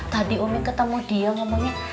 tadi umi ketemu dia ngomongnya